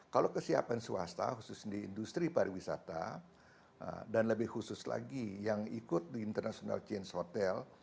kalau kesiapan swasta khusus di industri pariwisata dan lebih khusus lagi yang ikut di international change hotel